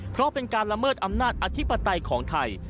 เพราะเป็นการละเมิดอำนาจอธิปไตยของไทย